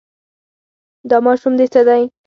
دا ماشوم دې څه دی.